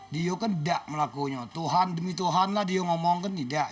dia kan tidak melakunya tuhan demi tuhan dia ngomongkan tidak